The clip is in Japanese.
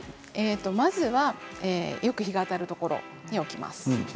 まずは、よく日が当たるところに置きます。